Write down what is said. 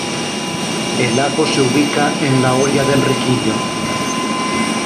El lago se ubica en la Hoya de Enriquillo.